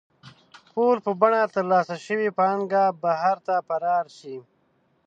پور په بڼه ترلاسه شوې پانګه بهر ته فرار شي.